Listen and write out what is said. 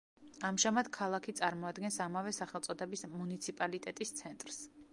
ამჟამად ქალაქი წარმოადგენს ამავე სახელწოდების მუნიციპალიტეტის ცენტრს.